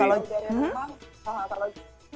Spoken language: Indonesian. kalau jauh dari rumah